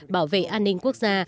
bảo vệ an ninh quốc gia